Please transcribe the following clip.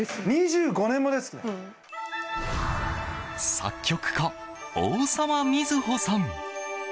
作曲家・大沢みずほさん。